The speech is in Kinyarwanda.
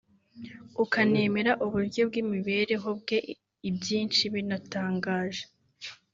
ukanemera uburyo bw’imibereho bwe ibyinshi binatangaje